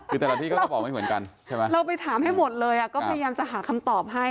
คือแต่ละที่ก็เขาบอกไม่เหมือนกันใช่ไหมเราไปถามให้หมดเลยอ่ะก็พยายามจะหาคำตอบให้